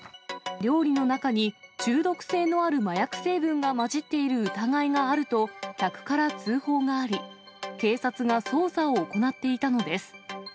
料理の中に、中毒性のある麻薬成分が混じっている疑いがあると客から通報があり、警察が捜査を行っていたのです。